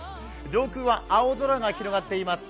上空は青空が広がっています。